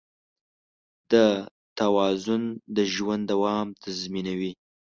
دا توازن د ژوند دوام تضمینوي.